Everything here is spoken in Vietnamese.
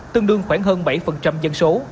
tương đương khoảng hơn bảy dân số